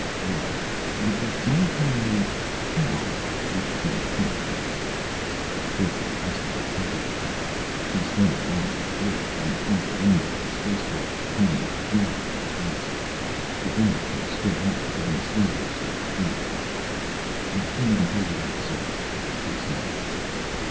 "Well, would you mind telling me how you became a plant?" Corporal Westerburg hesitated. He stared down at the floor, then out the window at the spaceport, then at a fly on the desk. At last he stood up, getting slowly to his feet. "I can't even tell you that, sir," he said.